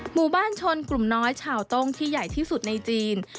หมู่บ้านชนกลุ่มน้อยชาวต้งที่ใหญ่ที่สุดในจีน